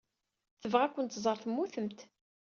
Tebɣa ad kent-tẓer temmutemt.